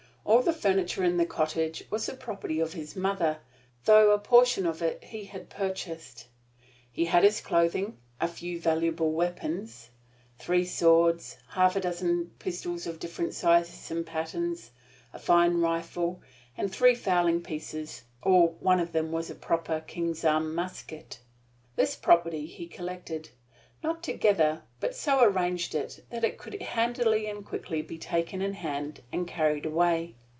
All the furniture in the cottage was the property of his mother, though a portion of it he had purchased. He had his clothing, a few valuable weapons three swords, half a dozen pistols of different sizes and patterns, a fine rifle, and three fowling pieces, or one of them was a proper king's arm musket. This property he collected not together, but so arranged it that it could handily and quickly be taken in hand and carried away.